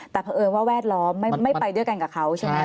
แต่เพราะเอิญว่าแวดล้อมไม่ไปด้วยกันกับเขาใช่ไหม